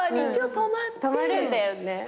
泊まるんだよね。